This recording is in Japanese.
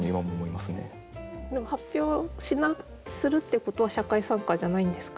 発表するっていうことは社会参加じゃないんですか？